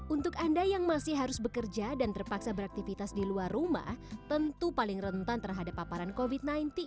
untuk anda yang masih harus bekerja dan terpaksa beraktivitas di luar rumah tentu paling rentan terhadap paparan covid sembilan belas